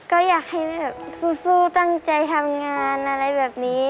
ก็อยากให้แบบสู้ตั้งใจทำงานอะไรแบบนี้